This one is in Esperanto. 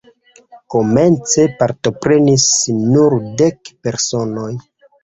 Komence partoprenis nur dek personoj.